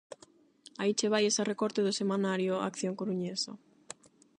Aí che vai ese recorte do Semanario "Acción Coruñesa".